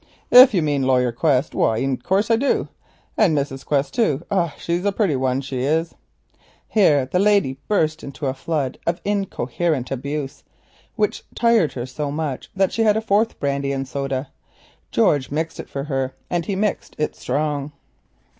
"If you means Laryer Quest, why in course I do, and Mrs. Quest too. Ah! she's a pretty one, she is." Here the lady burst into a flood of incoherent abuse which tired her so much that she had a fourth brandy and soda; George mixed it for her and he mixed it strong.